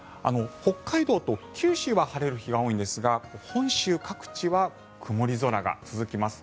北海道と九州は晴れる日が多いんですが本州各地は曇り空が続きます。